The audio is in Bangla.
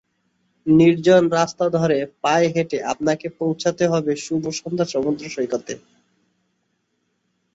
নির্জন রাস্তা ধরে পায়ে হেঁটে আপনাকে পৌঁছাতে হবে শুভ সন্ধ্যা সমুদ্র সৈকতে।